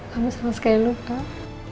kamu sama sekali lu kak